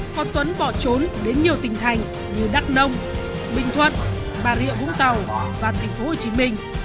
còn tuấn bỏ trốn đến nhiều tỉnh thành như đắk đông bình thuận bà rịa vũng tàu và tp hcm